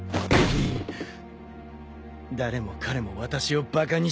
誰も彼も私をバカにしおって